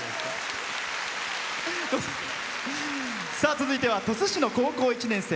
続いては鳥栖市の高校１年生。